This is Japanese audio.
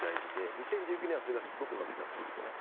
２０１９年はそれがすごくうまくいったと思うんですよね。